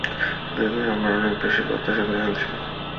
Baby, আমরা অনেক বেশি প্রত্যাশা করে ফেলেছিলাম।